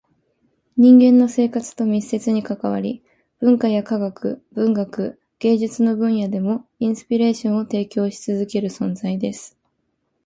人間の生活と密接に関わり、文化や科学、文学、芸術の分野でもインスピレーションを提供し続ける存在です。